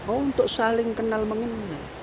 untuk saling kenal mengenal